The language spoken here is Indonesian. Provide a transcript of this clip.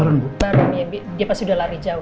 baron ya dia pasti udah lari jauh